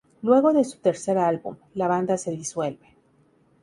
Luego de su tercer álbum, la banda de disuelve.